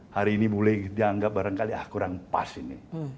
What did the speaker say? hari ini boleh dianggap barangkali kurang pas ini